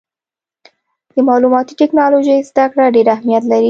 د معلوماتي ټکنالوجۍ زدهکړه ډېر اهمیت لري.